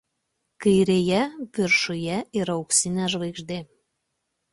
Kairėje viršuje yra auksinė žvaigždė.